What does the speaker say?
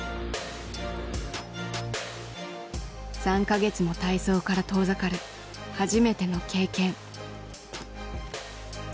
３か月も体操から遠ざかる初めての経験。